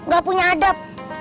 gak punya adab